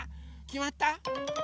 きまった？